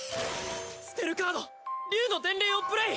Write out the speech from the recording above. スペルカード竜の伝令をプレイ！